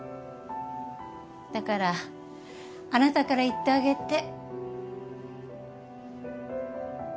だからあなたから言ってあげて。